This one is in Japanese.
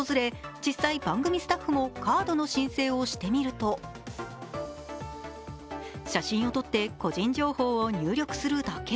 実際、番組スタッフもカードの申請をしてみると写真を撮って個人情報を入力するだけ。